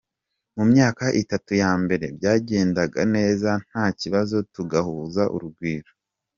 Mu myaka itatu ya mbere byagendaga neza nta kibazo, tugahuza urugwiro.